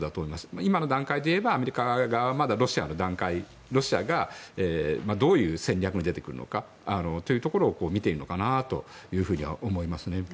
今の段階で言えばアメリカはロシアがどういう戦略に出てくるのかというところを見ているのかなとは思いますね。